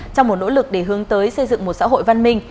trong một nỗ lực để hướng tới xây dựng một xã hội văn minh